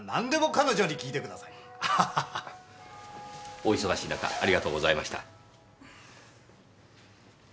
お忙しい中ありがとうございました。